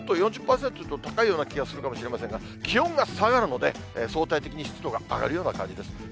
ちょっと４０％と高いような気がするかもしれませんが、気温が下がるので、相対的に湿度が上がるような感じです。